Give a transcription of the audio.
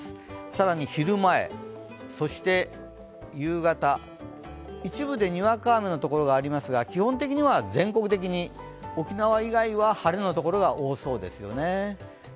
更に昼前、夕方一部でにわか雨のところがありますが基本的には全国的に沖縄以外は晴れのところが多そうですよね。